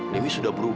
dewi sudah berubah bu